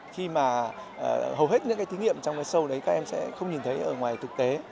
khi mà hầu hết những cái thí nghiệm trong cái show đấy các em sẽ không nhìn thấy ở ngoài thực tế